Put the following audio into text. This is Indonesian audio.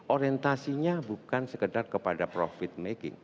orientasinya bukan sekedar kepada profit making